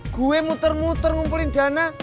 gue muter muter ngumpulin dana